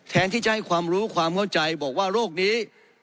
แทนที่จะให้ความรู้ความเข้าใจบอกว่าโรคนี้